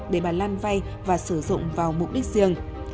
để bà lan vay và sử dụng vào mục đích riêng